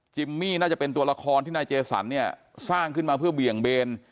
มี่น่าจะเป็นตัวละครที่นายเจสันเนี่ยสร้างขึ้นมาเพื่อเบี่ยงเบน